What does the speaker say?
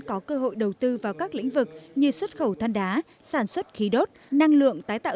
có cơ hội đầu tư vào các lĩnh vực như xuất khẩu than đá sản xuất khí đốt năng lượng tái tạo